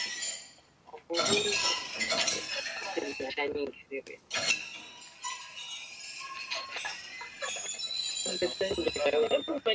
jamhuri ya kidemokrasia ya Kongo kwa sababu ya ukaribu wao kijografia